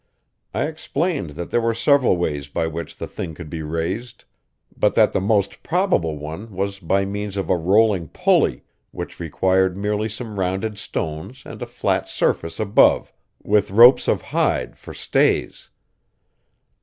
I explained that there were several ways by which the thing could be raised, but that the most probable one was by means of a rolling pulley, which required merely some rounded stones and a flat surface above, with ropes of hide for stays.